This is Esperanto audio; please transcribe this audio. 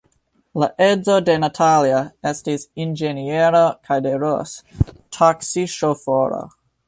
La edzo de Natalia estis inĝeniero kaj de Ros – taksiŝoforo.